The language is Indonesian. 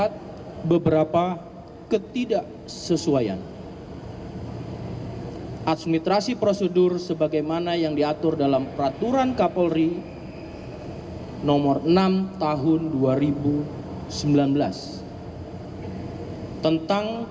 terkait proses penetapan